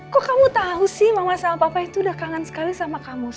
kok kamu tahu sih mama sama papa itu udah kangen sekali sama kamu